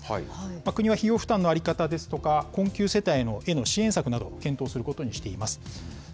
国は費用負担の在り方ですとか、困窮世帯への支援策など、検討することにしています。